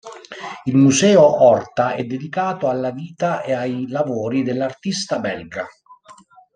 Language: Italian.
Il museo Horta è dedicato alla vita e ai lavori dell'artista belga.